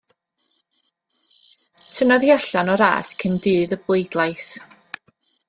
Tynnodd hi allan o'r ras cyn dydd y bleidlais.